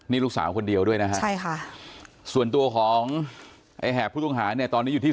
นี่ลูกสาวคนเดียวด้วยนะฮะใช่ค่ะส่วนตัวของไอ้แหบผู้ต้องหาเนี่ยตอนนี้อยู่ที่